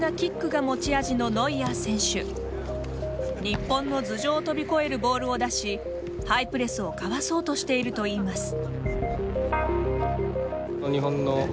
日本の頭上を飛び越えるボールを出しハイプレスをかわそうとしているといいます。